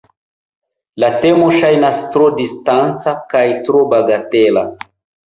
La temo ŝajnas tro distanca kaj tro bagatela.